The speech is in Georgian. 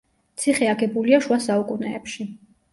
ციხე აგებულია შუა საუკუნეებში.